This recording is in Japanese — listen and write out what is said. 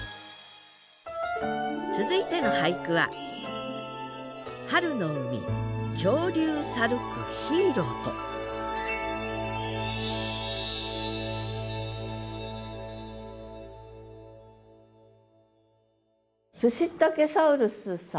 続いての俳句はプシッタケサウルスさん？